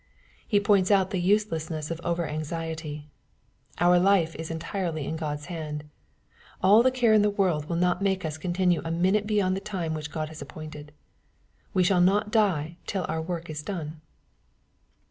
He points out the useUssnesa of over anxiety. Our life is entirely in God's hand. All the care in the world will not make us continue a minute beyond the time which God has appointed. We shall not die till our work is done.